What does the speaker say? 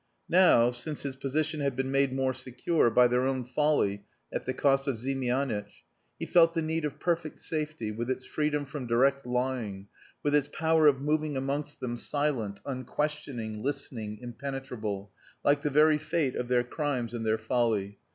Now, since his position had been made more secure by their own folly at the cost of Ziemianitch, he felt the need of perfect safety, with its freedom from direct lying, with its power of moving amongst them silent, unquestioning, listening, impenetrable, like the very fate of their crimes and their folly.